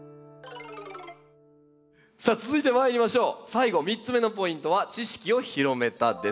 最後３つ目のポイントは「知識を広めた」です。